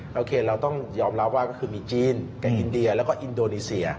โอเคเราต้องยอมรับว่าก็คือมีจีนกับอินเดียแล้วก็อินโดนีเซีย